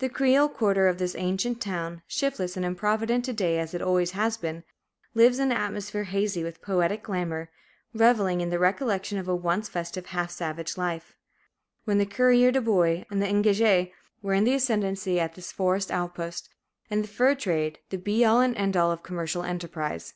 The creole quarter of this ancient town, shiftless and improvident to day as it always has been, lives in an atmosphere hazy with poetic glamour, reveling in the recollection of a once festive, half savage life, when the courier de bois and the engagé were in the ascendency at this forest outpost, and the fur trade the be all and end all of commercial enterprise.